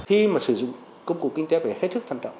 khi mà sử dụng công cụ kinh tế phải hết sức thăng trọng